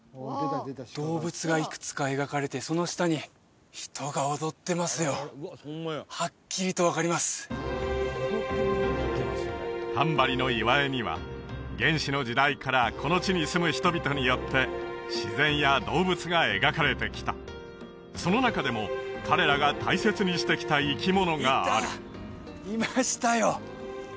動物がいくつか描かれてその下に人が踊ってますよはっきりと分かりますタンバリの岩絵には原始の時代からこの地に住む人々によって自然や動物が描かれてきたその中でも彼らが大切にしてきた生き物があるいましたよ